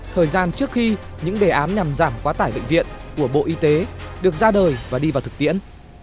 thời gian trước khi những đề án nhằm giảm quá tải bệnh viện của bộ y tế được ra đời và đi vào thực tiễn